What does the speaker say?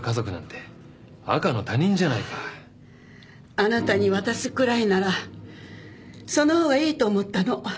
あなたに渡すくらいならその方がいいと思ったの。